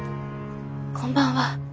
こんばんは。